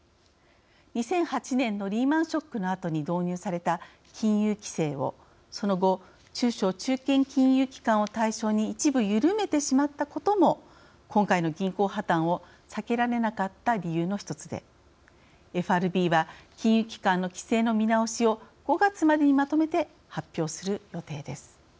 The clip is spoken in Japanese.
２００８年のリーマンショックのあとに導入された金融規制を、その後中小・中堅金融機関を対象に一部、緩めてしまっていたことも今回の銀行破綻を避けられなかった理由の１つでＦＲＢは金融機関の規制の見直しを５月までにまとめて発表する予定です。